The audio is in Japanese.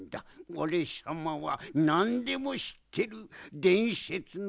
おれさまはなんでもしってるでんせつのおにのみだぞ。